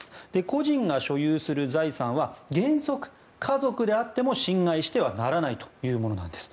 個人が所有する財産は原則、家族であっても侵害してはならないというものなんです。